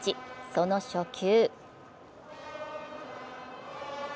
その初球